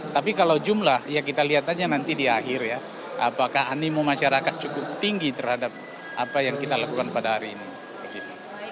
tapi kalau jumlah ya kita lihat aja nanti di akhir ya apakah animo masyarakat cukup tinggi terhadap apa yang kita lakukan pada hari ini